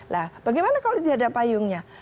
nah bagaimana kalau tidak ada payungnya